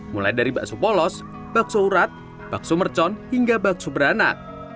mulai dari bakso polos bakso urat bakso mercon hingga bakso beranak